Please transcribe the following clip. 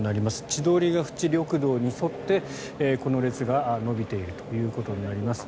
千鳥ヶ淵緑道に沿ってこの列が延びているということになります。